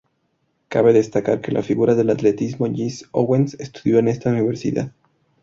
Cabe destacar que la figura del atletismo Jesse Owens estudió en esta universidad.